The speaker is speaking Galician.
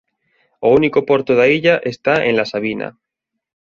O único porto da illa está en La Savina.